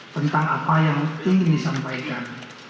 tentang apa yang ingin disampaikan